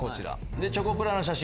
でチョコプラの写真。